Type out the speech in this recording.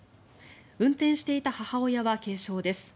運転していた母親は軽傷です。